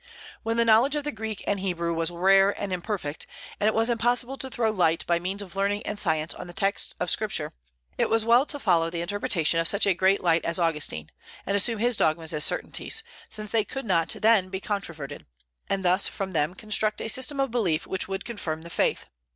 When the knowledge of the Greek and Hebrew was rare and imperfect, and it was impossible to throw light by means of learning and science on the texts of Scripture, it was well to follow the interpretation of such a great light as Augustine, and assume his dogmas as certainties, since they could not then be controverted; and thus from them construct a system of belief which would confirm the faith.